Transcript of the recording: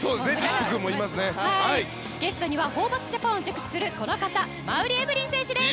ゲストにはホーバスジャパンを熟知するこの方馬瓜エブリン選手です。